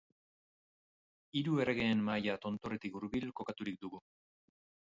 Hiru Erregeen Mahaia tontorretik hurbil kokaturik dugu.